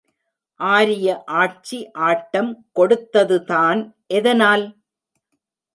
ஆரிய ஆட்சி ஆட்டம் கொடுத்ததுதான் எதனால்?